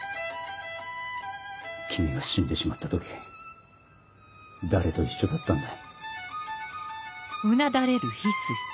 君が死んでしまった時誰と一緒だったんだ？